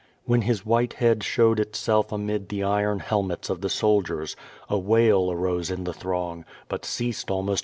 When his white head showed itself amid the iron helmets of the soldiers, la wail arose in the throng, but ceased almosi.